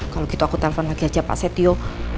kalau gitu aku telpon lagi aja pak setio